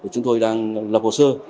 chúng tôi đang lập hồ sơ